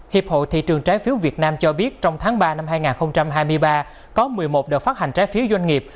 hiệp hội thị trường trái phiếu việt nam cho biết trong tháng ba năm hai nghìn hai mươi ba có một mươi một đợt phát hành trái phiếu doanh nghiệp